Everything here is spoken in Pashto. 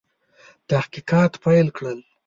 تحقیقات پیل کړل.